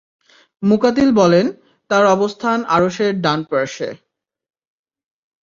মুকাতিল বলেন, তার অবস্থান আরশের ডান পার্শ্বে।